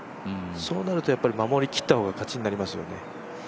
そうなると、守りきったほうが勝ちになりますよね。